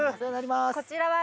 こちらは。